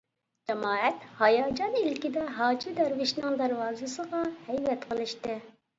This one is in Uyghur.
جامائەت ھاياجان ئىلكىدە ھاجى دەرۋىشنىڭ دەرۋازىسىغا ھەيۋە قىلىشتى.